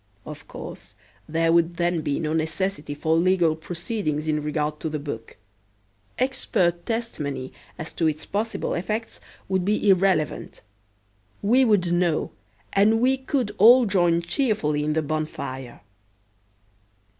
Of course there would then be no necessity for legal proceedings in regard to the book. Expert testimony as to its possible effects would be irrelevant. We would know and we could all join cheerfully in the bonfire.